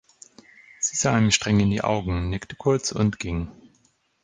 Sie sah ihm streng in die Augen, nickte kurz, und ging.